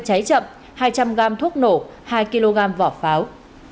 cháy chậm hai trăm linh gam thuốc nổ hai kg vỏ pháo